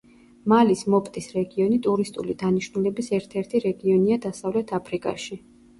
მალის მოპტის რეგიონი ტურისტული დანიშნულების ერთ-ერთი რეგიონია დასავლეთ აფრიკაში.